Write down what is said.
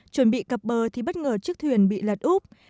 chuẩn bị cập bờ thì bất ngờ chiếc thuyền bị lật úp